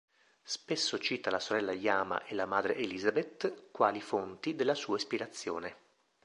Spesso cita la sorella Jama e la madre Elizabeth quali fonti della sua ispirazione.